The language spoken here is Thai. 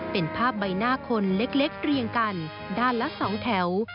เป็นภาพใบหน้าคนเล็กเรียงกันด้านละ๒แถว